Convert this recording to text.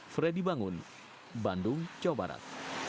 freddy bangun bandung jawa barat